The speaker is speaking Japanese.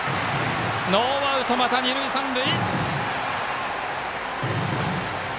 ノーアウト、また二塁三塁。